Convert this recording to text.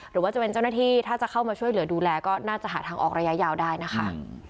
หรือว่าจะเป็นเจ้าหน้าที่ถ้าจะเข้ามาช่วยเหลือดูแลก็น่าจะหาทางออกระยะยาวได้นะคะ